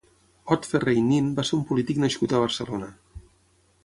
Ot Ferrer i Nin va ser un polític nascut a Barcelona.